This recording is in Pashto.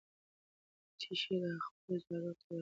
مچۍ شیره خپلو ځالو ته وړي.